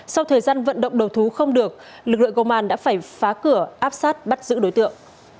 sau thời gian vận động đầu thú không được lực lượng công an đã phải phá cửa áp sát bắt giữ đối tượng